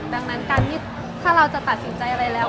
ดังนั้นการที่ถ้าเราจะตัดสินใจอะไรแล้ว